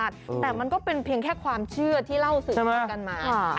แต่มันก็เป็นเพียงแค่ความเชื่อที่เล่าสืบทอดกันมา